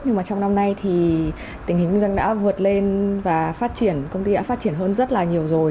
nhưng mà trong năm nay thì tình hình kinh doanh đã vượt lên và phát triển công ty đã phát triển hơn rất là nhiều rồi